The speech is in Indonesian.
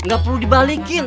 gak perlu dibalikin